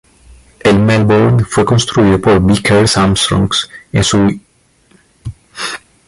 El "Melbourne" fue construido por Vickers-Armstrongs en sus astilleros en Barrow-in-Furness, Inglaterra.